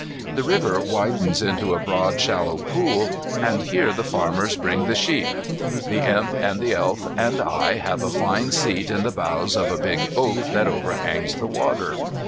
The river widens into a broad shallow pool, and here the farmers bring the sheep. The Imp and the Elf and I have a fine seat in the boughs of a big oak that overhangs the water.